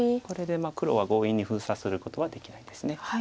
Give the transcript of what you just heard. これで黒は強引に封鎖することはできないです。